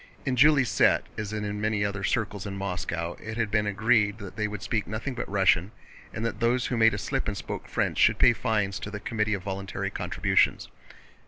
In Julie's set, as in many other circles in Moscow, it had been agreed that they would speak nothing but Russian and that those who made a slip and spoke French should pay fines to the Committee of Voluntary Contributions.